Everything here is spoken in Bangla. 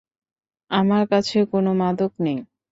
আমার কাছে কোনো মাদক নেই।